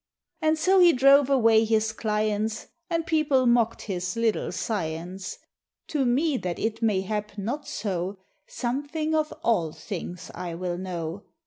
And so he drove away his clients, And people mocked his little science. To me that it may hap not so, Something of all things I will know.